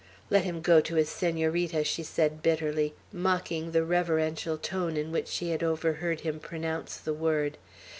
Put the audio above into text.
"Let him go to his Senorita," she said bitterly, mocking the reverential tone in which she had overheard him pronounce the word.